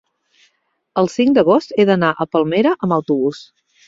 El cinc d'agost he d'anar a Palmera amb autobús.